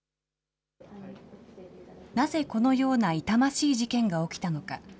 なぜこのような痛ましい事件が起きたのか。